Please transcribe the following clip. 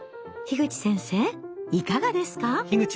口先生いかがですか？